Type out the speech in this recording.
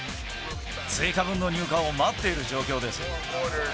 追加分の入荷を待っている状況です。